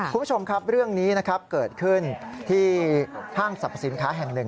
คุณผู้ชมครับเรื่องนี้นะครับเกิดขึ้นที่ห้างสรรพสินค้าแห่งหนึ่ง